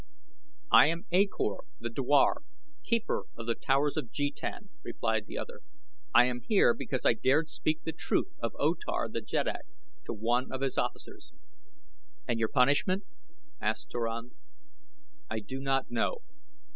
"I am A Kor the dwar, keeper of The Towers of Jetan," replied the other. "I am here because I dared speak the truth of O Tar the jeddak, to one of his officers." "And your punishment?" asked Turan. "I do not know.